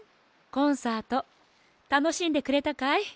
コンサートたのしんでくれたかい？